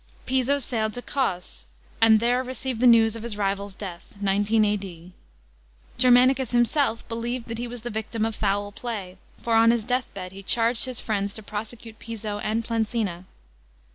Piso sailed to Cos, and there received the news of his rival's death (19 A.D.). Germanicus himself believed that he was the victim of foul play, for on his deathbed he charged hie friends to prosecute Piso und Plancina.